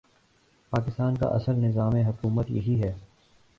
پاکستان کا اصل نظام حکومت یہی ہے۔